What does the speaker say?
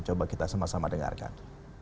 coba kita sama sama dengarkan